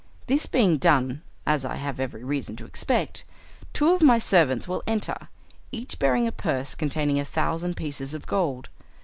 This being done (as I have every reason to expect), two of my servants will enter, each bearing a purse containing a thousand pieces of gold.